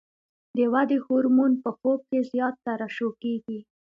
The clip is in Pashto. د ودې هورمون په خوب کې زیات ترشح کېږي.